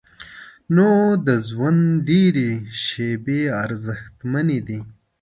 نو د ژوند ډېرې شیبې ارزښتمنې دي.